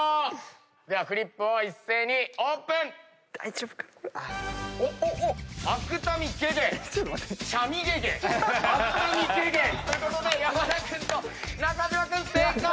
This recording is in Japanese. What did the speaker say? ではフリップを一斉にオープン！ということで山田君と中島君正解！